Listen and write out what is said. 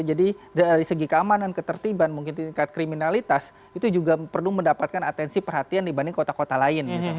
jadi dari segi keamanan ketertiban mungkin tingkat kriminalitas itu juga perlu mendapatkan atensi perhatian dibanding kota kota lain